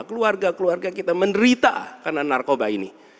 keluarga keluarga kita menderita karena narkoba ini